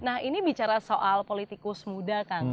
nah ini bicara soal politikus muda kang